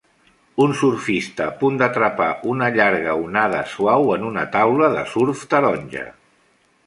Un surfista a punt d'atrapar una llarga onada suau en una taula de surf taronja.